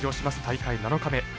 大会７日目。